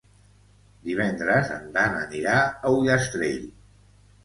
Divendres en Dan anirà a Ullastrell.